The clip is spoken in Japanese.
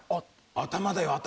頭だよ頭。